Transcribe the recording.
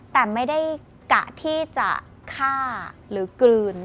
แต่ไม่ได้กะที่จะฆ่าหรือกลืน